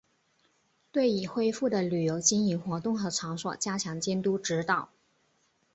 对已恢复的旅游经营活动和场所加强监督指导